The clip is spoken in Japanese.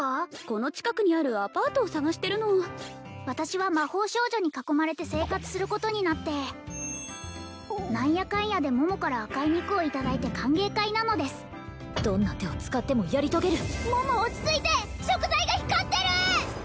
この近くにあるアパートを探してるの私は魔法少女に囲まれて生活することになって何やかんやで桃から赤い肉をいただいて歓迎会なのですどんな手を使ってもやり遂げる桃落ち着いて食材が光ってる！